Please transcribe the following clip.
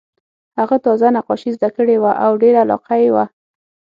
هغه تازه نقاشي زده کړې وه او ډېره علاقه یې وه